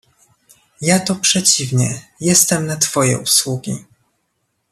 "ja to przeciwnie jestem na twoje usługi."